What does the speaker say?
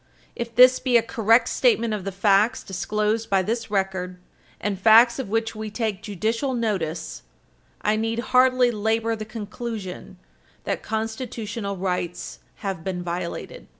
If this be a correct statement of the facts disclosed by this record, and facts of which we take judicial notice, I need hardly labor the conclusion that Constitutional rights have been violated.